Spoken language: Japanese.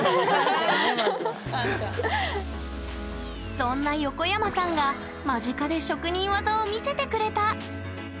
そんな横山さんが間近で職人技を見せてくれた！